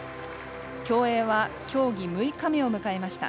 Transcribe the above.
競泳は競技６日目を迎えました。